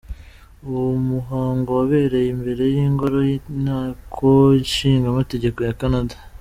Uwo muhango wabereye imbere y’ingoro y’inteko ishinga amategeko ya Canada.